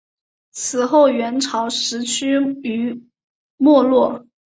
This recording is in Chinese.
此后元朝时趋于没落。